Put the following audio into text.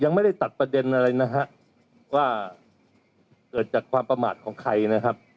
ยังไม่ได้ตัดประเด็นอะไรนะฮะว่าเกิดจากความประมาทของใครนะครับ